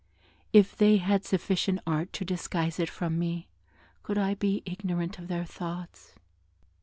If they had sufficient art to disguise it from me, could I be ignorant of their thoughts?